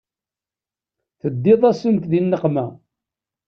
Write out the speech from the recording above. Teddiḍ-asent di nneqma.